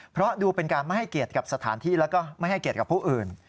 เพราะดูเป็นการไม่ให้เกียรติกับสถานที่แล้วก็ไม่ให้เกียรติกับผู้อื่น